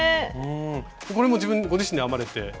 これもご自身で編まれて？